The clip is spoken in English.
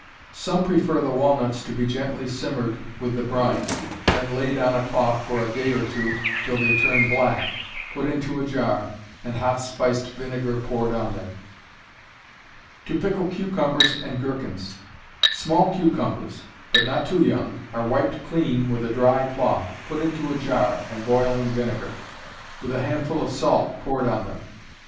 Some prefer the walnuts to be gently simmered with the brine, then laid on a cloth for a day or two till they turn black, put into a jar, and hot spiced vinegar poured on them. To Pickle Cucumbers and Gherkins. Small cucumbers, but not too young, are wiped clean with a dry cloth, put into a jar, and boiling vinegar, with a handful of salt, poured on them.